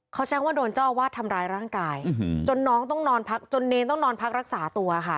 เขาแจ้งว่าโดนเจ้าอาวาสทำร้ายร่างกายจนน้องต้องนอนพักจนเนรต้องนอนพักรักษาตัวค่ะ